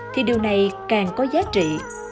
thì điều này càng có giá trị